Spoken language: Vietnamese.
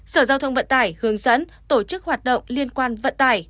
sở giao thông vận tải hướng dẫn tổ chức hoạt động liên quan vận tải